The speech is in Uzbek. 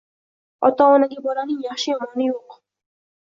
Ota-onaga bolaning yaxshi-yomoni yo’q.